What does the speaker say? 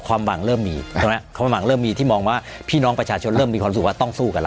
ความหวังเริ่มมีใช่ไหมความหวังเริ่มมีที่มองว่าพี่น้องประชาชนเริ่มมีความรู้สึกว่าต้องสู้กันแล้ว